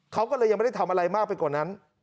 เขาก็เลยยังไม่ได้ทำอะไรมากไปกว่านั้น